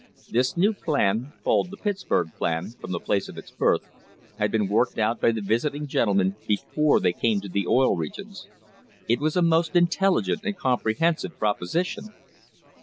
This new plan, called the "Pittsburg Plan"* from the place of its birth, had been worked out by the visiting gentlemen before they came to the Oil Regions. It was a most intelligent and compre hensive proposition.